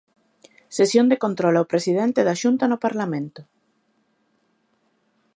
Sesión de control ao presidente da Xunta no Parlamento.